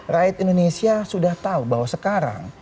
rakyat indonesia sudah tahu bahwa sekarang